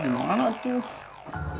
di mana tuh